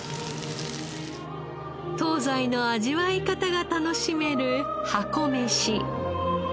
東西の味わい方が楽しめる箱めし。